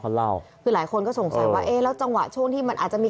เขาเล่าคือหลายคนก็สงสัยว่าเอ๊ะแล้วจังหวะช่วงที่มันอาจจะมี